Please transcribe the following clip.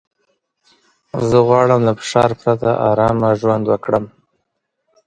زه غواړم له فشار پرته ارامه ژوند وکړم.